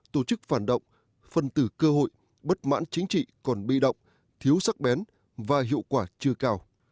tổ chức phản động phân tử cơ hội bất mãn chính trị còn bi động thiếu sắc bén và hiệu quả chưa cao